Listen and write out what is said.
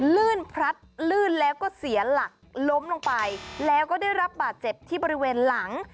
ลื่นพลัดลื่นแล้วก็เสียหลักล้มลงไปแล้วก็ได้รับบาดเจ็บที่บริเวณหลัง